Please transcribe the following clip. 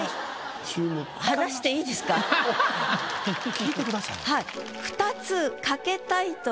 聞いてください。